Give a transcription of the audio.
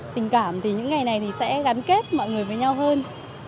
tình cảm thì những ngày này sẽ gắn kết với người mình yêu thương